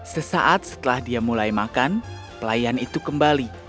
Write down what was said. sesaat setelah dia mulai makan pelayan itu kembali